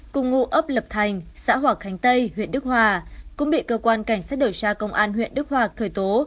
cùng ngụ ấp lập thành xã hoàng khánh tây huyện đức hòa cũng bị cơ quan cảnh sát điều tra công an huyện đức hòa khởi tố